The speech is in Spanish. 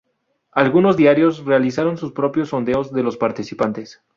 Algunos diarios realizaron sus propios sondeos de los participantes.